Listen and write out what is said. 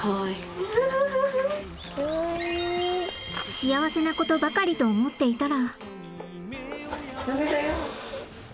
幸せなことばかりと思っていたら。